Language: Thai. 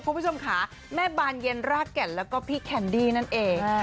คุณผู้ชมค่ะแม่บานเย็นรากแก่นแล้วก็พี่แคนดี้นั่นเอง